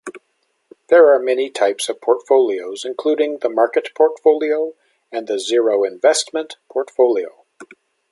There are many types of portfolios including the market portfolio and the zero-investment portfolio.